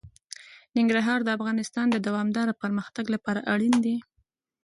ننګرهار د افغانستان د دوامداره پرمختګ لپاره اړین دي.